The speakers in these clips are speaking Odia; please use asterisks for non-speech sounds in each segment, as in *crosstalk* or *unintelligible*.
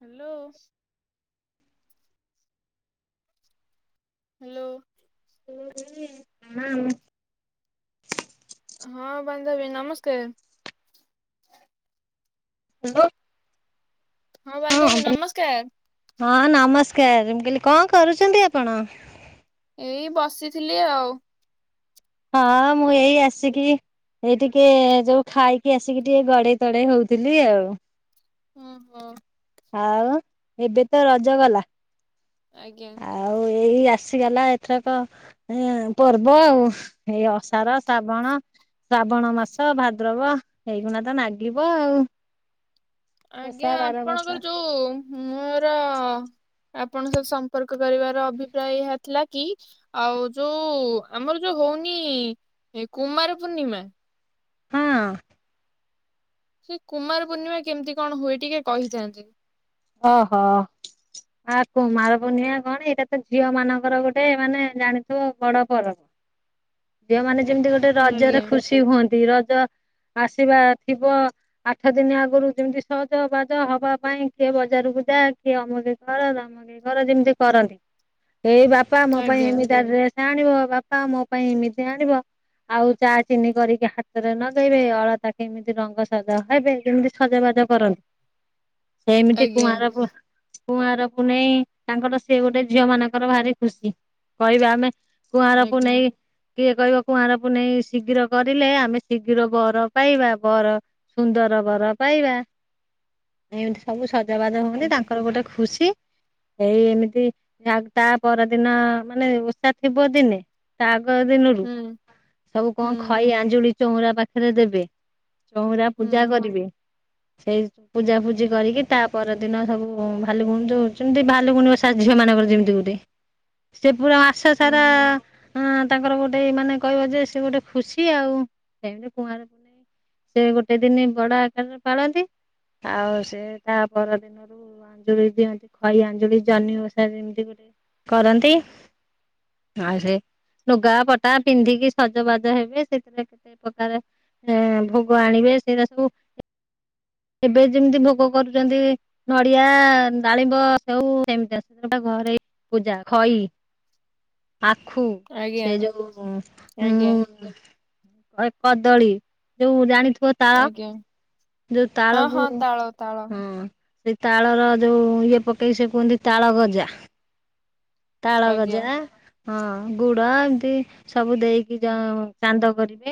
ହ୍ୟାଲୋ। ହ୍ୟାଲୋ। ହୁଁ ହୁଁ। ହଁ ବାନ୍ଧବୀ ନମସ୍କାର। ହ୍ୟାଲୋ। ହଁ ବାନ୍ଧବୀ ନମସ୍କାର। ହଁ ନମସ୍କାର ମୁଁ କହିଲି କଣ କରୁଛନ୍ତି ଆପଣ? ଏଇ ବସିଥିଲି ଆଉ ହଁ ମୁଁ ଏଇ ଆସିକି ଏଇ ଟିକେ ଯୋଉ ଖାଇକି ଆସିକି ଟିକେ ଗଡେଇ ତଡେଇ ହଉଥିଲି ଆଉ। ହୁଁ ହଁ। ଆଉ ଏବେ ତ ରଜ ଗଲା ଆଜ୍ଞା। ଆଉ ଏଇ ଆସିଗଲା ଏଥରକ ଏ ପର୍ବ ଆଉ ଏଇ ଅସାର ଶ୍ରାବଣ ଶ୍ରାବଣ ମାସ ଭାଦ୍ରବ ଏଇଗୁଣା ତ ନାଗିବ ଆଉ ଓଷା ଆଜ୍ଞା ବାର ବର୍ଷା। ଆପଣଙ୍କର ଯୋଉ ମୋର ଆପଣଙ୍କ ସହିତ ସମ୍ପର୍କ କରିବାର ଅଭିପ୍ରାୟ ଏହା ଥିଲା କି ଆଉ ଯୋଉ ଆମର ଯୋଉ ହଉନି କୁମାର ପୂର୍ଣ୍ଣିମା ହଁ। ସେ କୁମାର ପୂର୍ଣ୍ଣିମା କେମିତି କଣ ହୁଏ ଟିକେ କହିଥାନ୍ତେ ଓହୋ। ଆ କୁମାର ପୁନିଆ କଣ ଏଇଟା ତ ଝିଅ ମାନଙ୍କର ଗୋଟେ ମାନେ ଜାଣିଥିବ ବଡ ପର୍ବ ଝିଅମାନେ ଯେମିତି ଗୋଟେ ଆଜ୍ଞା ରଜରେ ଖୁସି ହୁଅନ୍ତି ରଜ ଆସିବା ଥିବ ଆଠ ଦିନ ଆଗରୁ ଯେମିତି ସଜ ବାଜ ହବା ପାଇଁ କିଏ ବଜାରକୁ ଯା କିଏ ଅମକ କର ତମକ କର ଯେମିତି କରନ୍ତି ଏଇ ବା ବାପା ମୋ ପାଇଁ ଆଜ୍ଞା ଏମିତି ଆ ଡ୍ରେସ ଆଣିବ ବାପା ମୋ ପାଇଁ ଏମିତି ଆଣିବ ଆଉ ଚା ଚିନି କରିକି ହାତରେ ନଗେଇବେ ଅଳତା କେମିତି ରଙ୍ଗ ସବ ହେବେ ଯେମିତି ସଜାବାଜ କରନ୍ତି ସେମିତି ଆଜ୍ଞା କୁଆଁର ପୁନ କୁଁଆର ପୁନେଇ ତାଙ୍କର ସେ ଗୋଟେ ଝିଅ ମାନଙ୍କର ଭାରି ଖୁସି କହିବା ଆମେ କୁଆଁର ଆଜ୍ଞା ପୁନେଇ। କିଏ କହିବ କୁଆଁର ପୁନେଇ ଶୀଘ୍ର କରିଲେ ଆମେ ଶୀଘ୍ର ବର ପାଇବା ବର ସୁନ୍ଦର ବର ପାଇବା ଏମିତି ସବୁ ସଜାବାଜ ହୁଅନ୍ତି ହୁଁ ତାଙ୍କର ଗୋଟେ ଖୁସି। ଏଇ ଏମିତି ତା ପରଦିନ ମାନେ ଉଷା ଥିବ ଦିନେ ତାଗ ଦିନରୁ ହୁଁ ସବୁ ହୁଁ କଣ ଖଇ ଆଞ୍ଜୁଳି ଚଉରା ପାଖରେ ଦେବେ ଚଉରା ହୁଁ ପୂଜା କରିବେ ସେଇ ପୂଜା ପୁ ଜି କରିକି ତା ପର ଦିନ ସବୁ ଭାଲ ଗୁଣମିତି ଭାଲ ଗୁଣିବ ଝିଅ ମାନଙ୍କର ଯେମିତି ଗୋଟେ ସେ ପୁରା ମାସ ହୁଁ ସାରା ହୁଁ ହଁ ତାଙ୍କର ଗୋଟେ ମାନେ କହିବ ଯେ ସେ ଗୋଟେ ଖୁସି ଆଉ ସେମିତି କୁ ସେ ଗୋଟେ ଦିନ ବଡ ଆକାରରେ ପାଳନ୍ତି ଆଉ ସେ ତା ପର ଦିନ ଜଳି ଦିଅନ୍ତି ଖୁଇଞ୍ଜଳି ଜମିି ଓଷା ଯେମିତି ଗୋ କରନ୍ତି। ଆ ସେରେ *unintelligible* ଲୁଗା ପଟା ପିନ୍ଧିକି ସଜବାଜ ହେବେ ସେଥିରେ କେତେ ପ୍ରକାର ଭୋଗ ଆଣିବେ ସେଇଟା ସବୁ ଏବେ ଯେମିତି ଭୋଗ କରୁଛନ୍ତି ନଡିଆ ଡାଳିମ୍ବ ସବୁ ସେମତି ଘରେ *unintelligible* ପୂଜା ଖଇ। ଆଖୁ ଆଜ୍ଞା ସେ ଯୋଉ ଆଜ୍ଞା ଉ କଦଳୀ ଯୋଉ ଜାଣିଥିବ ତାଳ ଆଜ୍ଞା ଯୋଉ ହଁ ହଁ ତାଳକୁ ତାଳ ତାଳ। ହଁ ସେଇ ତାଳର ଯୋଉ ଇଏ ପକେଇକି ସେ କୁହନ୍ତି ତାଳ ଗଜା। ତାଳ ଆଜ୍ଞା ଗଜା। ହଁ ଗୁଡ ଏମିତି ସବୁ ଦେଇକି ଯ ଚାନ୍ଦ କରିବେ।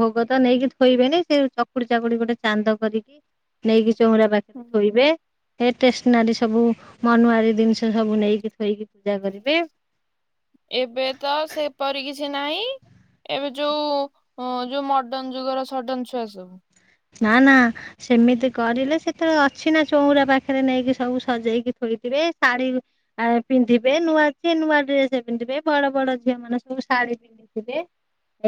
ଭୋଗ ତ ନେଇକି ଥୋଇବେନି ସେ ଚକୁଡି ଚକୁଡି ଗୋଟେ ଚାନ୍ଦ କରିକି ନେଇକି ଚଉଁଡ଼ା ପାଖ ହୁଁ। ଥୋଇବେ ଟେଷ୍ଟ ନାରୀ ସବୁ ମନୁଆରୀ ଜିନିଷ ସବୁ ନେଇକି ଥୋଇକି ପୂଜା କରିବେ। ଏବେ ତ ସେପରି କିଛି ନାହିଁ। ଏବେ ଯୋଉ ଯୋଉ ମଡନ ଯୁଗର ସଡନ ଛୁଆ ସବୁ। ନା ନା। ସେମିତି କରିଲେ ସେତେବେଳେ ଅଛି ନା ଚଉରା ପାଖରେ ନେଇକି ସବୁ ସଜେଇକି ଥୋଇଥିବେ ଶାଢୀ ଆ ପିନ୍ଧିବେ ନୂଆ ଛି ନୂଆ ଡ୍ରେସ ପିନ୍ଧିବେ ବଡ ବଡ ଝିଅମାନୋନ ସବୁ ଶାଢୀ ପି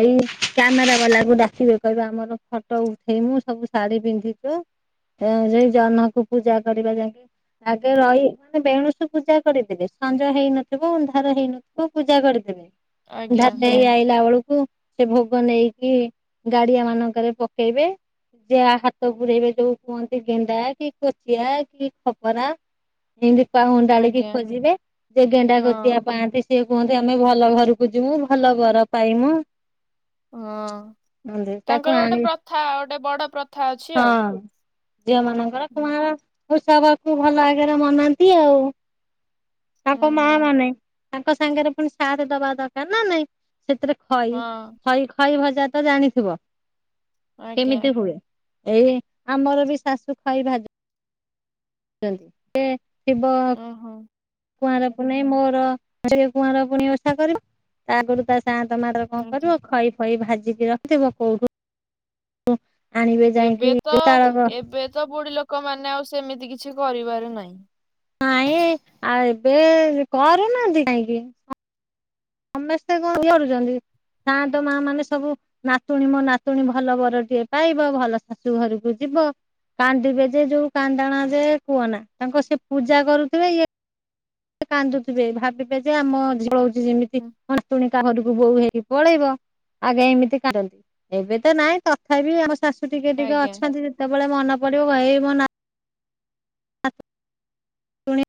ଏଇ କ୍ୟାମେରା ବାଲାକୁ ଡାକିବେ କହିବ ଆମର ଫଟୋ ଉ ସେ ମୁୁ ସବୁ ଶାଢୀ ପିନ୍ଧିଛୁ ଯ ଜହନକୁ ପୂଜା କରିବା ଯାଇକି ଆଗେ ରହି ମାନେ ବେଣୁସ ପୂଜା କରିଦେବେ ସଞ୍ଜ ହେଇନଥିବ ଅନ୍ଧାର ହେଇନଥିବ ପୂଜା କରିଦେବେ। ଆଜ୍ଞା। ଧାନ ଆଇଲା ବେଳକୁ ସେ ଭୋଗ ନେଇକି ଗାଡିଆ ମାନଙ୍କରେ *unintelligible* ଯାହା ହାତ ବୁଡେଇବେ ଯୋଉ କୁହନ୍ତି ଗେଣ୍ଡା କି କୋଚିଆ କି ଖପରା। ଏମ ଦୀପା ହଣ୍ଡାଳିକି ଆଜ୍ଞା ଖୋଜିବେ ଯେ ଗେଣ୍ଡା କଚିଆ ହଁ ପାଆନ୍ତି। ସେିଏ କୁହନ୍ତି ଆମେ ଭଲ ଘରକୁ ଯିବୁ ଭଲ ବର ପାଇମୁ। ହଁ କୁହନ୍ତି ତାକୁ ତାଙ୍କର ଗୋଟେ ଆଣି ପ୍ରଥା ଗୋଟେ ବଡ ପ୍ର ହଁ ଝିଅମାନଙ୍କର ହୁଁ କୁମାର ଉ ସବକୁ ଭଲ ଆଗରେ ମନାନ୍ତି ଆଉ ହୁଁ ତାଙ୍କ ମା ହୁଁ, ମାନେ ତାଙ୍କ ସାଙ୍ଗରେ ପୁଣି ସାଥ ଦବା ଦରକାର ନା ନାଇଁ ସେଥିରେ ଖଇ ହଁ ଖଇ ଖାଇ ଭଜା ତ ଜାଣିଥିବ। ଆଜ୍ଞା କେମିତି ହୁଏ ଏଇ ଆମର ବି ଶାଶୁ ଖଇବାଜ ଶିବ *unintelligible* ଓହୋ। କୁଆଁର ପୁଣି ମୋର ସେ କୁଆଁର ପୁଣି ଓଷା କରିବ ତା ଆଗରୁ ତା ସା ଟମାଟର କଣ ଆଜ୍ଞା। କରିବ ଖଇ ଫଇ ଭାଜିକି ରଖଥିବ କୋଉଠୁ ଆଣିବେ ଏବେ ଯାଇକି ତ ତାଳ ଏବେ ତ ବୁଢୀ ଲୋକମାନୋନେ ଆଉ ସେମିତି କିଛି କରିବାର ନାହିଁ। ନାଇଁ ଆଉ ଏବେ କରୁନାହାନ୍ତି କାହିଁକି ସମସ୍ତେ କଣ କରୁଛନ୍ତି ସା ତ ମା ମାନେ ସବୁ ନାାତୁଣୀ ମୋ ନାାତୁଣୀ ଭଲ ବରଟିଏ ପାଇବ ଭଲ ଶାଶୁ ଘରକୁ ଯିବ। କାନ୍ଦିବେ ଯେ ଯୋଉ କାନ୍ଦାଣା ଯେ କୁହନା ତାଙ୍କ ସେ ପୂଜା କରୁଥିବେ ଇଏ କାନ୍ଦୁଥିବେ ଭାବିବେ ଯେ ଆମଳଉଛି ଯେମିତି ହୁଁ, ନାତୁଣୀ କହାଘରକୁ ବୋଉ ହେଇକି ପଳେଇବ। ଆଜ୍ଞା ଏମିତି କାଟନ୍ତି ଏବେ ତ ନହିଁ ତଥାପି ଆ ଶାଶୁ ଟିକେ ଟିକେ ଆଜ୍ଞା ଅଛନ୍ତି ଯେତେବେଳେ ମନ ପଡିବ ମୋ ନା ଆ ପୁଣି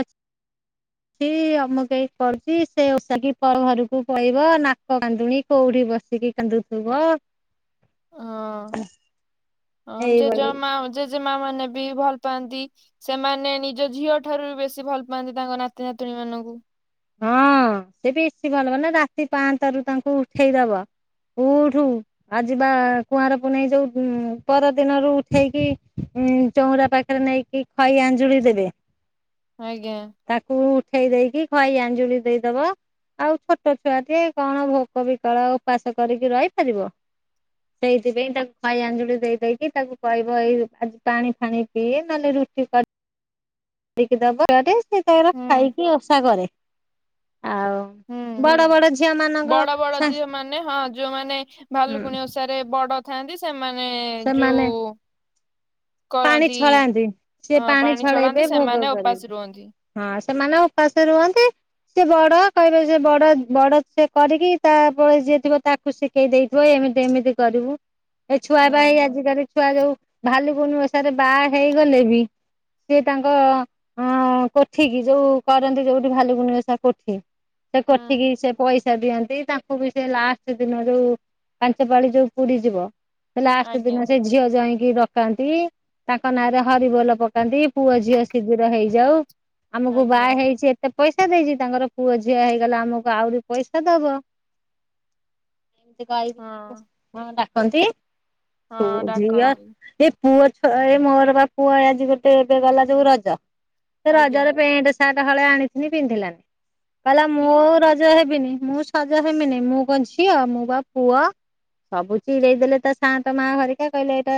ଆ ଛି ଅମକେଇ କରୁଛି ସେ ଓଷା କି ଘରକୁ ପଳେଇବ ନାକ କାନ୍ଦୁଣି କୋଉଠି ବସିକି କାନ୍ଦୁଥିବ ହଁ ହଁ ଏଇଭଳି ଜେଜେ ମା ଜେଜେମା ମାନେ ବି ଭଲ ପାଆନ୍ତି ସେମାନେ ନିଜ ଝିଅ ଠାରୁ ବି ବେଶୀ ଭଲ ପାଆନ୍ତି ତାଙ୍କ ନାତି ନାତୁଣୀ ମାନଙ୍କୁ ହଁ ସେ ଟିକେ ବେଶୀ ଭଲ ନା ରାତି ପାହାନ୍ତା ରୁ ତାଙ୍କୁ ଉଠେଇଦବ ଉଠୁ ଆଜି ବା କୁଆଁର ପୁନେଇଁ ଯୋଉ ପରଦିନରୁ ଉଠେଇକି ଉ ଚଉରା ପାଖରେ ନେଇ କି ଖଇ ଆଞ୍ଜୁଳି ଦେବେ ଆଜ୍ଞା ତାକୁ ଉଠେଇ ଦେଇକି ଖଇ ଆଞ୍ଜୁଳି ଦେଇଦବ ଆଉ ଛୋଟ ଛୁଆ ଟେ କଣ ଭୋକ ବିକଳ ଉପାସ କରିକି ରହିପାରିବ ସେଇଥିପାଇଁ ତାକୁ ଖଇ ଆଞ୍ଜୁଳି ଦେଇ ଦେଇକି ତାକୁ କହିବ ଏଇ ଆଜି ପାଣି ଫାଣି ପିଏ ନହେଲେ ରୁଟି କରି କି ଦବ କରେ ସେ ତାର ହୁଁ ଖାଇକି ଓଷା କରେ ଆଉ ହୁଁ ବଡ ବଡ ଝିଅ ମାନଙ୍କ ବଡ ବଡ ସା ଝିଅ ମାନେ ହଁ ଯୋଉମାନେ ହୁଁ ଭାଲୁକୁଣି ଓଷାରେ ବଡ ଥାଆନ୍ତି ସେମାନେ ସେମାନେ ଯୋଉ ପାଣି କରନ୍ତି ଛଳାନ୍ତି ସେ ଅ ପାଣି ଛଡାନ୍ତି ଛଳେଇବେ ଭୋଗ ସେମାନେ ଉପାସ ରୁହନ୍ତି। କରିବେ ହଁ ସେମାନେ ଉପାସ ରୁହନ୍ତି ସେ ବଡ କହିବେ ସେ ବଡ ବଡ ସେ କରିକି ତାପରେ ଯିଏ ଥିବ ତା କୁ ସିକେଇ ଦେଇଥିବ ଏମିତି ଏମିତି କରିବୁ ଏ ଛୁଆ ହଁ ବା ଏଇ ଆଜିକାଲି ଛୁଆ ଯୋଉ ଭାଲୁକୁଣୀ ଓଷାରେ ବାହା ହେଇଗଲେ ବି ସିଏ ତାଙ୍କ ଅ କୋଠି କି ଯୋଉ କରନ୍ତି ଯୋଉଠି ଭାଲୁକୁଣି ଓଷା କୋଠି ସେ କୋଠିକି ହୁଁ ସେ ପଇ ସା ଦିଅନ୍ତି ତାଙ୍କୁ ବି ସେ ଲାଷ୍ଟ ଦିନ ଯୋଉ ପାଞ୍ଚ ପାାଳି ଯୋଉ ପୁରିଯିବ ସେ ଲାଷ୍ଟ ଆଜ୍ଞା ଦିନ ସେ ଝିଅ ଜ୍ୱାଇଁ କି ଡକାନ୍ତି ତାଙ୍କ ନାଁରେ ହରିବୋଲ ପକାନ୍ତି ପୁଅ ଝିଅ ଶିଘିର ହେଇଯାଉ ଆମକୁ ଆଜ୍ଞା ବାହା ହେଇଛି ଏ ତେ ପଇସା ଦେଇଛି ତାଙ୍କର ପୁଅ ଝିଅ ହେଇଗଲେ ଆମକୁ ଆହୁରି ପଇସା ଦବ ଏମିତି କହିବି ହଁ ହଁ ଡାକନ୍ତି ସବୁ ହଁ ଝିଅ ଡାକନ୍ତି ପୁଅ ଛୁଆ ଏ ମୋର ବା ପୁଅ ଆଜି ଗୋଟେ ଏବେ ଗଲା ଯୋଉ ରଜ ସେ ଆଜ୍ଞା ରଜରେ ପେଣ୍ଟ ସାର୍ଟ ହଳେ ଆଣିଥିନି ପିନ୍ଧିଲାନି କହିଲା ମୁଁ କିଲୋ ରଜ ହେବିନି ମୁଁ ସଜ ହେମିନି ମୁଁ କଣ ଝିଅ ମୁଁ ବା ପୁଅ ସବୁ ଚିଡେଇ ଦେଲେ ତା ସାଆନ୍ତ ମା ହରିକା କହିଲେ ଏଇଟା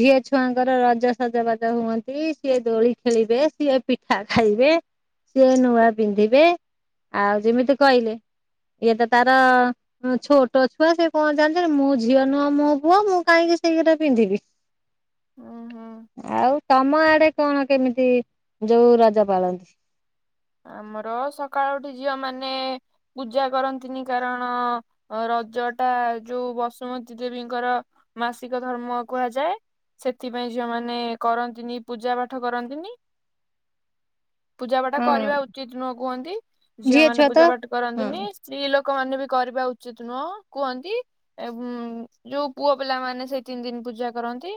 ଝିଅ ଛୁଆଙ୍କର ରଜ ସଜବାଜ ହୁଅନ୍ତି ସିଏ ଦୋଳି ଖେଳିବେ ସିଏ ପିଠା ଖାଇବେ ସିଏ ନୂଆ ପିନ୍ଧିବେ ଆଉ ଯେମିତି କହିଲେ ଇଏ ତ ତାର ହଁ ଛୋଟ ଛୁଆ ସେ କଣ ଜାଣିଛନ୍ତି ମୁଁ ଝିଅ ନୁହଁ ମୁଁ ପୁଅ ମୁଁ କାହିଁକି ସେଇରା ପିନ୍ଧିବି ହୁଁ ହୁଁ ଆଉ ତମ ଆଡେ କଣ କେମିତି ଯୋଉ ରଜ ପାଳନ୍ତି ଆମର ସକାଳୁ ଉଠି ଝିଅ ମାନେ ପୂଜା କରନ୍ତିନି କାରଣ ଅ ରଜ ଟା ଯୋଉ ବସୁମତୀ ଦେବୀଙ୍କର ମାସିକ ଧର୍ମ କୁହାଯାଏ ସେଥିପାଇଁ ଝିଅ ମାନେ କରନ୍ତିନି ପୂଜା ପାଠ କରନ୍ତିନି ପୂଜାପାଠ ହଁ କରିବା ଉଚିତ ନୁହଁ କୁହନ୍ତି ଝିଅ ମାନେ ଛୁଆ ପୂଜା ତ ପାଠ ହଁ। କରନ୍ତିନି ସ୍ତ୍ରୀ ଲୋକ ମାନେ ବି କରିବା ଉଚିତ ନୁହଁ କୁହନ୍ତି ଏବଂ ଯୋଉ ପୁଅ ପିଲାମାନେ ସେଇ ତିନି ଦିନ ପୂଜା କରନ୍ତି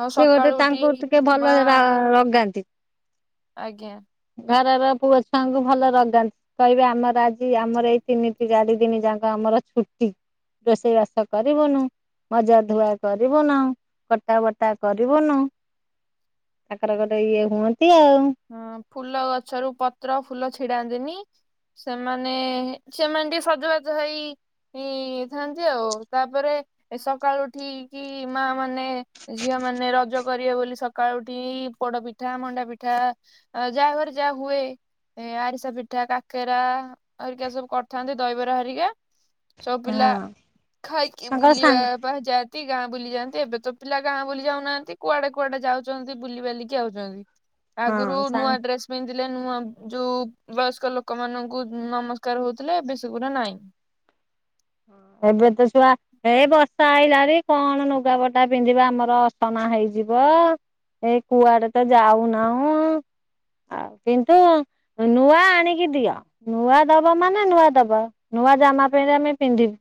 ଆଉ ସେ ଗୋଟେ ସକାଳୁ ଉଠି ତାଙ୍କୁ ଟିକେ ଭଲ ମା ର ରଗାନ୍ତି। ଆଜ୍ଞା। ଘରର ପୁଅ ଛୁଆଙ୍କୁ ଭଲ ରଗାନ୍ତି। କହିବେ ଆମର ଆଜି ଆମର ଏଇ ତିନି ଚାରି ଦିନ ଯାକ ଆମର ଛୁଟି। ରୋଷେଇ ବାସ କରିବୁନୁ ମଜା ଧୁଆ କରିବୁନାହୁଁ କଟା ବଟା କରିବୁନୁ। କଟର କଟ ଇଏ ହୁଅନ୍ତି ଆଉ। ହଁ ଫୁଲ ଗଛରୁ ପତ୍ର ଫୁଲ ଛିଡାନ୍ତିନି। ସେମାନେ ସେମାନେ ଟିକେ ସଜବାଜ ହେଇ ହେଇଥନ୍ତି ଆଉ ତାପରେ ଏ ସକାଳୁ ଉଠି କିି ମା ମାନେ ଝିଅ ମାନେ ରଜ କରିବେ ବୋଲି ସକାଳୁ ଉଠି ପୋଡପି ପିଠା ମଣ୍ଡା ପିଠା ଯାହା ଘରେ ଯାହା ହୁଏ। ଏ ଆରିସା ପିଠା କାକେରା ହରିକା ସବୁ କରିଥାନ୍ତି ଦହିବରା ହେରିକା। ସବୁ ପିଲା ହଁ। ଖାଇକି ତାଙ୍କର ବୁଲିବା ସାଙ୍ଗ ବା ଯାଆନ୍ତି ଗାଁ ବୁଲି ଯାଆନ୍ତି ଏବେ ତ ପିଲା ଗାଁ ବୁଲି ଯାଉନାହାନ୍ତି କୁଆଡେ କୁଆଡେ ଯାଉଛନ୍ତି ବୁଲିିବାଲିକି ଆଉଛନ୍ତି। ଆଗରୁ ହଁ ନୂଆ ସାଙ୍ଗ ଡ୍ରେସ୍ ପିନ୍ଧଲେ ନୂଆ ଯୋଉ ବୟସ୍କ ଲୋକମାନଙ୍କୁ ନମସ୍କାର ହେଉଥିଲେ ଏବେ ସେ ଗୁରା ନାଇଁ। ଏବେ ତ ଛୁଆ ଏଇ ବର୍ଷା ଆଇଲାଣି କଣ ଲୁଗା ପଟା ପିନ୍ଧିବ ଆମର ଅସନା ହେଇଯିବ। ଏ କୁଆଡେ ତ ଯାଉନାହୁଁ ଆଉ କିନ୍ତୁ ନୂଆ ଆଣିକି ଦିଅ ନୂଆ ଦବ ମାନେ ନୂଆ ଦବ ନୂଆ ଜାମା ପେଣ୍ଟ ଆମେ ପିନ୍ଧିବି।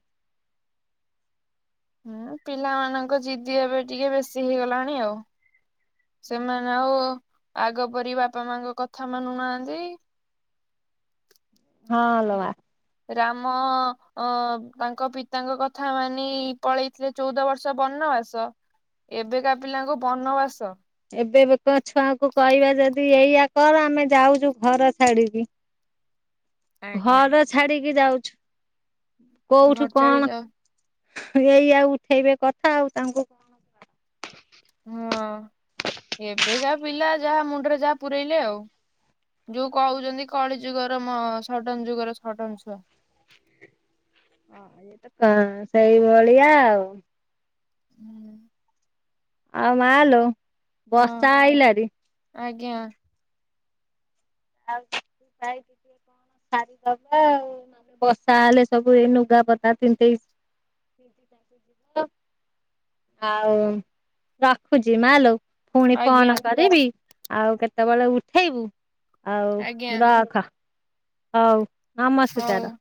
ହୁଁ ପିଲାମାନଙ୍କ ଜିଦି ଏବେ ଟିକେ ବେଶୀ ହେଇଗଲାଣି ଆଉ। ସେମାନେ ଆଉ ଆଗ ପରି ବାପା ମାଙ୍କ କଥା ମାନୁନାହାନ୍ତି। ହଁ ଲୋ ମା। ରାମ ଅ ତାଙ୍କ ପିତାଙ୍କ କଥା ମାନି ପଳେଇଥିଲେ ଚଉଦ ବର୍ଷ ବନବାସ ଏବେକା ପିଲାଙ୍କୁ ବନବାସ। ଏବେ ବେକ ଛୁଆକୁ କହିବା ଯଦି ଏଇଆ କର ଆମେ ଯାଉଛୁ ଘର ଛାଡିକି। ଆଜ୍ଞା। ଘର ଛାଡିକି ଯାଉଛୁ ଘର କୋଉଠୁ ଛାଡି କଣ। ଯା ଏଇଆ ଉଠେଇବେ କଥା ଆଉ ତାଙ୍କୁ ହଁ ଏବେକା ପିଲା ଯାହା ମୁଣ୍ଡରେ ଯାହା ପୁରଇଲେ ଆଉ। ଯୋଉ କହୁଛନ୍ତି କଳି ଯୁଗର ସଡନ ଯୁଗର ସଡନ ଛୁଆ। ଏ ହଁ ତ କ ସେଇଭଳିଆ ଆଉ। ହୁଁ। ଆଉ ମାଲୋ ହଁ ବର୍ଷା ଆଇଲାଣି। ଆଜ୍ଞା। ଆଉ ଖାଇ। *inaudible* ସାରି ଦବ ଆଉ ନହେଲେ ବର୍ଷା ହେଲେ ସବୁ ଏ ଲୁଗାପଟା ତିନ୍ତି *inaudible* ଆଉ ରଖୁଛି ମାଲୋ ପୁଣି ଆଜ୍ଞା ଫୋନ କରିବି। ଆଉ କେତେବେଳେ ଉଠେଇବୁ ଆଉ ଆଜ୍ଞା ରଖ। ହଉ ହଉ। ନମସ୍କାର।